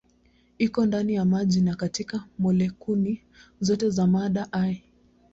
Iko ndani ya maji na katika molekuli zote za mada hai.